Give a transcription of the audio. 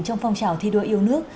trong phong trào thi đua yêu nước